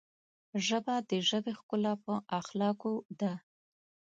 ژبه د ژبې ښکلا په اخلاقو ده